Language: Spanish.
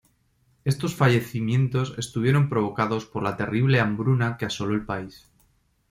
Estos fallecimientos estuvieron provocados por la terrible hambruna que asoló el país.